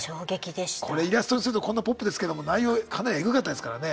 これイラストにするとこんなポップですけども内容かなりエグかったですからね。